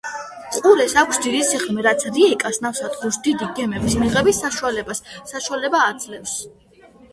ყურეს აქვს დიდი სიღრმე, რაც რიეკას ნავსადგურს დიდი გემების მიღების საშუალებას საშუალება აძლევს.